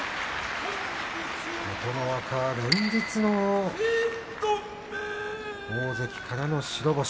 琴ノ若は連日の大関からの白星。